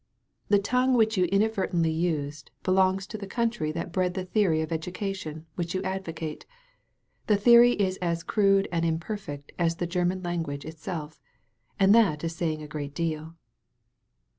The tongue which you inadvertently used belongs to the oountiy that bred the theory of education which you advocate. The theory is as crude and imperfect as the German language itself. And that is saying a great deal.'